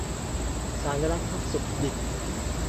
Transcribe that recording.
สารทุกข์สุขดิบ